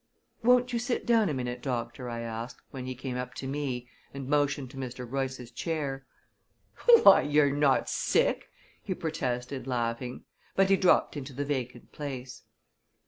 "Won't you sit down a minute, doctor?" I asked, when he came to me, and motioned to Mr. Royce's chair. "Why, you're not sick!" he protested, laughing, but he dropped into the vacant place.